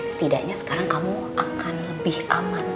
setidaknya sekarang kamu akan lebih aman